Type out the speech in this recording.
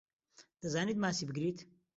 دەزانیت ماسی بگریت؟